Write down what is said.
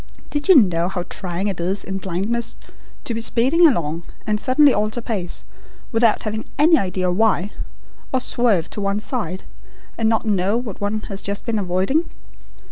Did you know how trying it is in blindness to be speeding along and suddenly alter pace without having any idea why, or swerve to one side, and not know what one has just been avoiding?